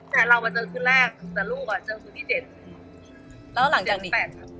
แต่เราเจอคือแรกแต่ลูกเจอคือที่๗